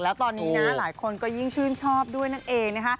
แล้วตอนนี้นะหลายคนก็ยิ่งชื่นชอบด้วยนั่นเองนะคะ